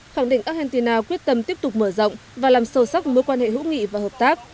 khẳng định argentina quyết tâm tiếp tục mở rộng và làm sâu sắc mối quan hệ hữu nghị và hợp tác